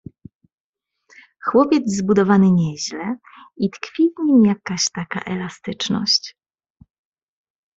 "Chłopiec zbudowany nieźle i tkwi w nim jakaś taka elastyczność."